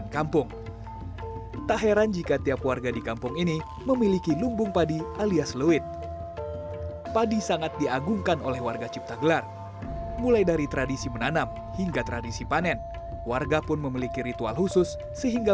kita pengen makan berarti kita harus berusaha